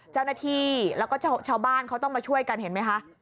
เจ้าหน้าที่แล้วก็ชาวบ้านเขาต้องมาช่วยกันเห็นไหมคะ